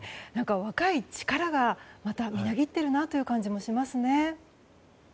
若い力がまたみなぎっているなという感じもしますね。